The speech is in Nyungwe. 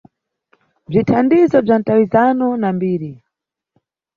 Bzithandizo bza mtawizano na mbiri.